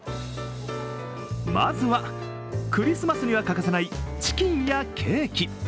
まずはクリスマスには欠かせないチキンやケーキ。